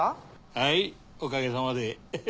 はいおかげさまで。